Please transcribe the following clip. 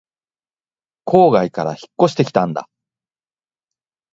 郊外から引っ越してきたんだ